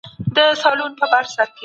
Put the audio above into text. هغه وويل چي زه نور نشم زغملای.